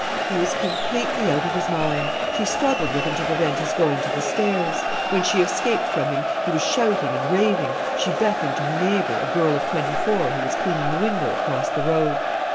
He was completely out of his mind. She struggled with him to prevent his going to the stairs. When she escaped from him, he was shouting and raving, she beckoned to her neighbour, a girl of twenty four, who was cleaning the window across the road.